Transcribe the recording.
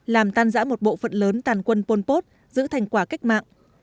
làm tan giã một bộ phận lớn tàn quân pol pot giữ thành quả cách mạng